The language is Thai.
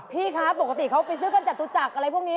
พี่คะปกติเขาไปซื้อกันจตุจักรอะไรพวกนี้